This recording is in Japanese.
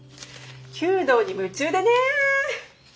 弓道に夢中でね。